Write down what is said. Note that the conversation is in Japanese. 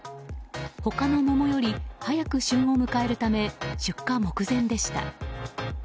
他の桃より早く旬を迎えるため出荷目前でした。